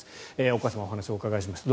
お母様にお話をお伺いしました。